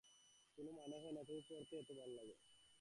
কোনো মানে হয় না, তবু পড়তে এত ভালো লাগে!